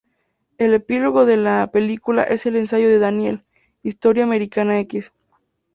El epílogo de la película es el ensayo de Daniel, "Historia Americana X".